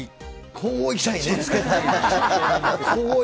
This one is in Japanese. こういきたい。